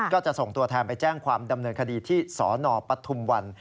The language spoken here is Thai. ก็จะส่งตัวแทนไปแจ้งความดำเนินคดีที่สนปฐุมวัน